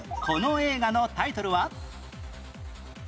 この映画のタイトルは？